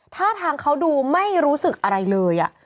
ท่าทางเขาดูไม่รู้สึกอะไรเลย